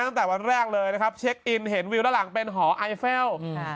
ตั้งแต่วันแรกเลยนะครับเช็คอินเห็นวิวด้านหลังเป็นหอไอเฟล